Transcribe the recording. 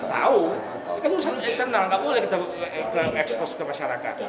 tahu itu harus eternal tidak boleh kita ekspos ke masyarakat